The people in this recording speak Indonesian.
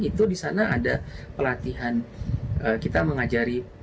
itu disana ada pelatihan kita mengajari